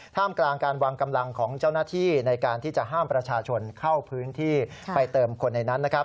ท่ามกลางการวางกำลังของเจ้าหน้าที่ในการที่จะห้ามประชาชนเข้าพื้นที่ไปเติมคนในนั้นนะครับ